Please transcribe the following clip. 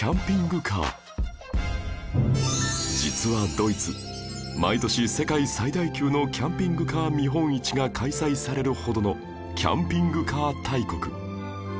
実はドイツ毎年世界最大級のキャンピングカー見本市が開催されるほどのキャンピングカー大国